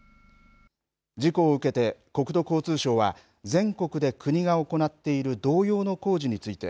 事故を受けて国土交通省は全国で国が行っている同様の工事について